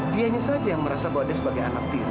dianya saja yang merasa bahwa dia sebagai anak tiri